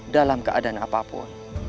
dalam keadaan apapun